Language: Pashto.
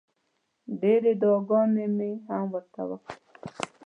ډېرې دوعاګانې مې هم ورته وکړې.